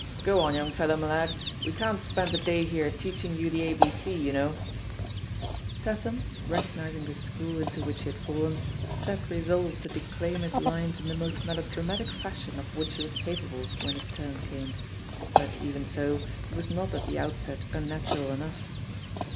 Gk) on, young feller, my lad, we can't spend the day here teaching you the ABC, you know I" Tatham, recognising the school into which he had fallen, sat resolved to declaim his lines in the most melodramatic fashion of which he was capable when his turn came ; but, even so, he was not at the outset unnatural enough.